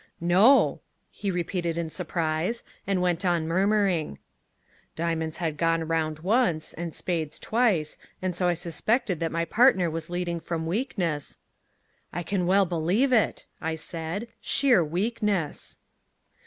"No," he repeated in surprise, and went on murmuring: "Diamonds had gone round once, and spades twice, and so I suspected that my partner was leading from weakness " "I can well believe it," I said "sheer weakness."